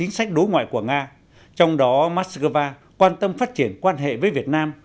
chính sách đối ngoại của nga trong đó moscow quan tâm phát triển quan hệ với việt nam